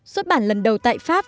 xuất bản lần đầu tại pháp